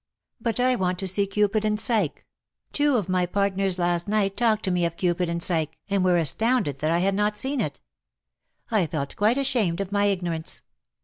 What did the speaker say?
But I want to see ' Cupid and Psyche^ — two of my partners last night talked to me of ^ Cupid and Psyche/ and were astounded that I had not seen it. I felt quite ashamed of my ignorance.